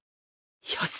よし！